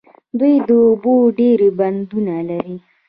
دوی د اوبو ډیر بندونه لري.